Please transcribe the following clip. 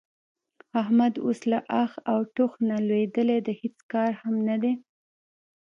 احمد اوس له اخ او ټوخ نه لوېدلی د هېڅ کار هم نه دی.